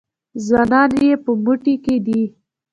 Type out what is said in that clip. ځوانان یې په موټي کې دي.